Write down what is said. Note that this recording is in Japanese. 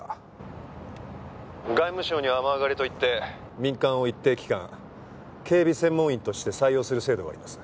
「外務省には天上がりといって民間を一定期間警備専門員として採用する制度があります」